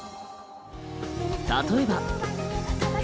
例えば。